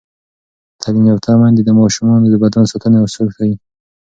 تعلیم یافته میندې د ماشومانو د بدن ساتنې اصول ښيي.